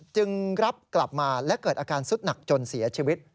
จึงรับกลับมาและเกิดอาการสุดหนักจนเสียชีวิต